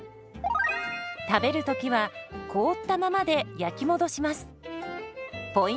食べる時は凍ったままで焼き戻します。